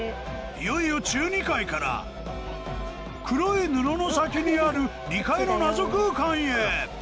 いよいよ中２階から黒い布の先にある２階の謎空間へ！